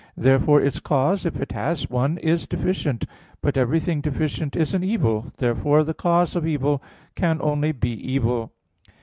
Therefore its cause, if it has one, is deficient. But everything deficient is an evil. Therefore the cause of evil can only be evil.